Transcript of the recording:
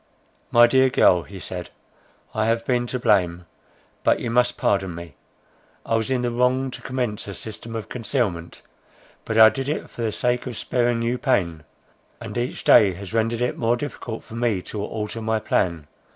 "My dear girl," he said, "I have been to blame; but you must pardon me. I was in the wrong to commence a system of concealment; but I did it for the sake of sparing you pain; and each day has rendered it more difficult for me to alter my plan.